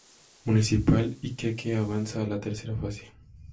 Municipal Iquique avanza a la tercera fase.